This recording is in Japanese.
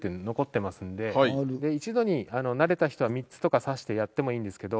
一度に慣れた人は３つとか差してやってもいいんですけど。